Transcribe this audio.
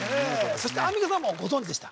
そしてアンミカさんはご存じでした？